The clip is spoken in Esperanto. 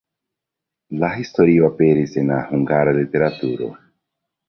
La historio aperis en la hungara literaturo.